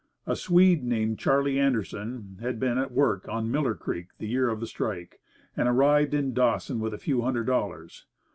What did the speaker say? A Swede named Charley Anderson had been at work on Miller Creek the year of the strike, and arrived in Dawson with a few hundred dollars.